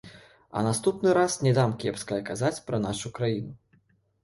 А наступны раз не дам кепскае казаць пра нашу краіну.